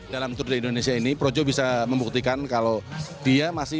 dalam tour de indonesia ini pro jawa bisa membuktikan kalau dia masih menjadi